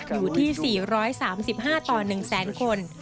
อยู่ที่๔๓๕ต่อ๑แสนคน